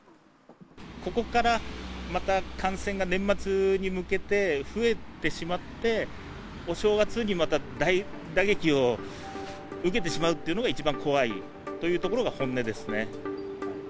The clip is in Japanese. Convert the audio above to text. ここから、また感染が年末に向けて増えてしまって、お正月にまた大打撃を受けてしまうってのが一番怖いというところが本音ですね。